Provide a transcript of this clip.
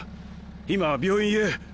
今は病院へ。